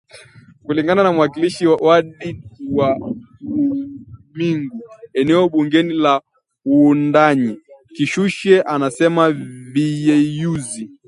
Kulingana na mwakilishi wadi wa Wumingu eneo bunge la Wundanyi kishushe anasema viyeyuzi